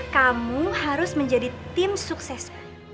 kamu harus menjadi tim sukses